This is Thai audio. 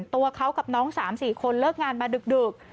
ตัวเขากับน้อง๓๔คนเลิกงานมาดึก